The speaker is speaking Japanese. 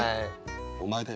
お前だよ。